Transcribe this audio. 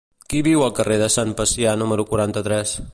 Qui viu al carrer de Sant Pacià número quaranta-tres?